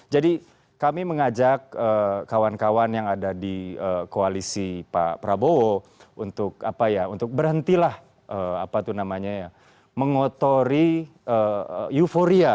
jadi kami mengajak kawan kawan yang ada di koalisi pak prabowo untuk berhentilah mengotori euforia